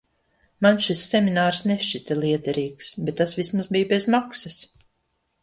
Man šis seminārs nešķita lietderīgs, bet tas vismaz bija bez maksas.